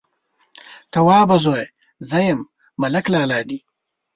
_توابه زويه! زه يم، ملک لالا دې.